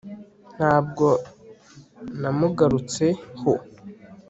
ntabwo namugarutse ho